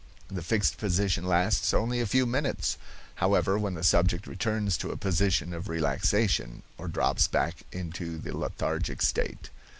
The fixed position lasts only a few minutes, however, when the subject returns to a position of relaxation, or drops back into the lethargic state.